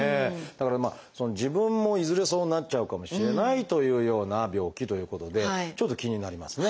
だからまあ自分もいずれそうなっちゃうかもしれないというような病気ということでちょっと気になりますね。